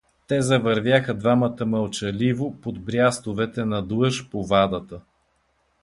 Те завървяха двамата мълчаливо под брястовете надлъж по вадата.